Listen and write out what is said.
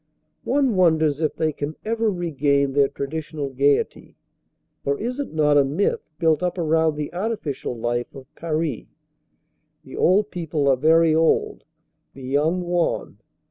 One wonders if they can ever regain their traditional gaiety or is it not a myth built up around the artificial life of Paris? The old people are very old, the young wan.